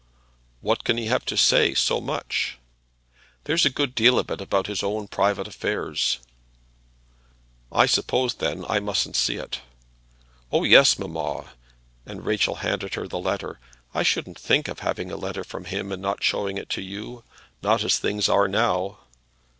"What can he have to say so much?" "There's a good deal of it is about his own private affairs." "I suppose, then, I mustn't see it." "Oh yes, mamma!" And Rachel handed her the letter. "I shouldn't think of having a letter from him and not showing it to you; not as things are now."